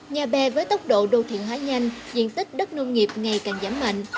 nhà bè với tốc độ đô thị hóa nhanh diện tích đất nông nghiệp ngày càng giảm mạnh